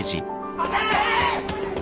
・待て！